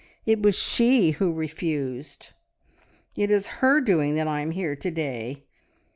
It was she who refused. It is her doing that I am here to day.